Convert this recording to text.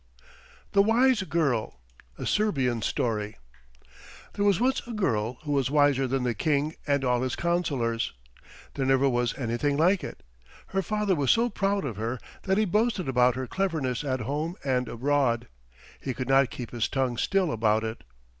THE WISE GIRL A SERBIAN STORY There was once a girl who was wiser than the King and all his councilors; there never was anything like it. Her father was so proud of her that he boasted about her cleverness at home and abroad. He could not keep his tongue still about it.